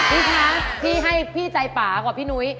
พี่คะพี่ให้พี่ใจป่ากว่าพี่นุ้ย